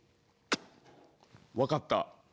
わかった。